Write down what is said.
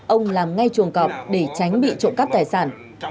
ông làm ngay chuồng cọp để tránh bị trộm cắp tài sản